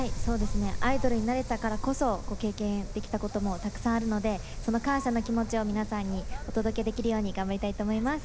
アイドルになれたからこそ経験できたこともたくさんあるのでその感謝の気持ちを皆さんにお届けできるように頑張りたいと思います。